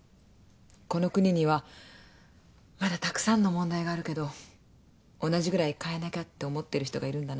この国にはまだたくさんの問題があるけど同じぐらい変えなきゃって思ってる人がいるんだなって。